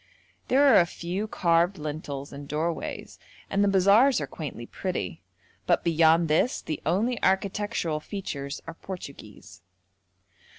There are a few carved lintels and doorways, and the bazaars are quaintly pretty, but beyond this the only architectural features are Portuguese.